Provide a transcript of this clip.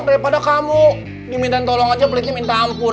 daripada kamu diminta tolong aja pelitnya minta ampun